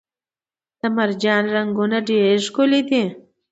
د مرجان رنګونه ډیر ښکلي دي